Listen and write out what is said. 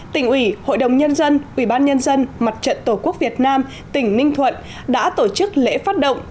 tỉnh ủy hội đồng nhân dân ubnd mặt trận tổ quốc việt nam tỉnh ninh thuận đã tổ chức lễ phát động